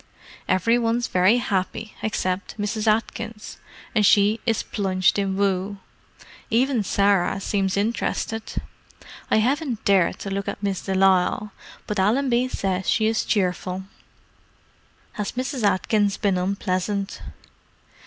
"Every one's very happy except Mrs. Atkins, and she is plunged in woe. Even Sarah seems interested. I haven't dared to look at Miss de Lisle, but Allenby says she is cheerful." "Has Mrs. Atkins been unpleasant?"